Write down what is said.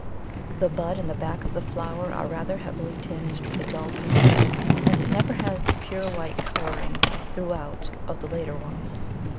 The bud and the back of the flower are rather heavily tinged with a dull pink, and it never has the pure white colouring throughout of the later ones.